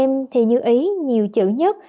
trong bốn anh em thì như ý nhiều chữ nhất